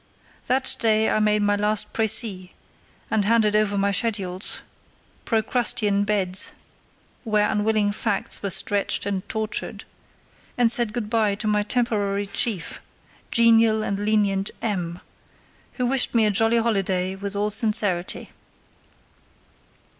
That day I made my last précis and handed over my schedules—Procrustean beds, where unwilling facts were stretched and tortured—and said good bye to my temporary chief, genial and lenient M——, who wished me a jolly holiday with all sincerity.